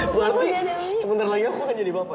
berarti sebentar lagi aku akan jadi bapak